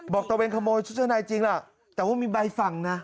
บอกตัวเองขโมยชุดช่วยนายจริงล่ะแต่ว่ามีใบฝั่งนะ